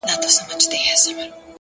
نیک عمل د خلکو په یاد پاتې کېږي.!